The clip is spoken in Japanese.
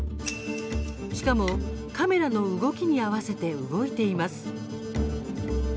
しかも、カメラの動きに合わせて動いています。